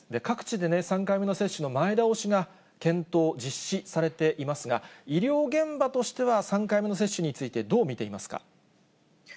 各地でね、３回目の接種の前倒しが検討、実施されていますが、医療現場としては３回目の接種について、どう見ていますか？